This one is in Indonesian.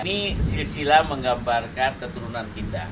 ini silsila menggambarkan keturunan pindah